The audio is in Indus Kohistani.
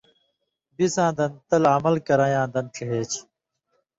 بِڅاں دَن تل عمل کرَیں یاں دَن ڇِہے چھی۔